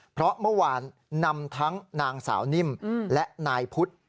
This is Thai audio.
เพราะเมื่อวานนำทั้งนางสาวนิ่มและนายพุทธ